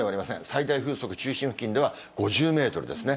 最大風速、中心付近では５０メートルですね。